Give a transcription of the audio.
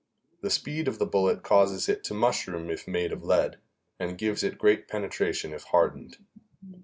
The speed of the bullet causes it to mushroom if made of lead, and gives it great penetration if hardened.